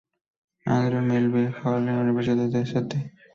Andrew Melville Hall en la Universidad de St.